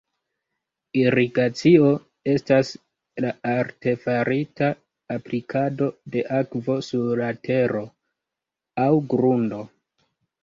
Irigacio estas la artefarita aplikado de akvo sur la tero aŭ grundo.